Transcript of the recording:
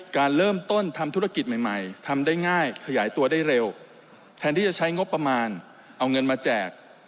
ขยายตัวได้เร็วแทนที่จะใช้งบประมาณเอาเงินมาแจก